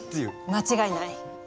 間違いない。